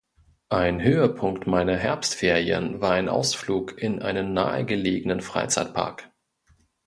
Ein Höhepunkt meiner Herbstferien war ein Ausflug in einen nahegelegenen Freizeitpark.